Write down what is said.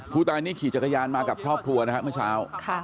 ผู้ตายนี่ขี่จักรยานมากับครอบครัวนะครับเมื่อเช้า